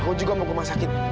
aku juga mau ke rumah sakit